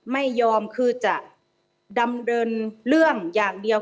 ไม่ยอมคือจะดำเนินเรื่องอย่างเดียว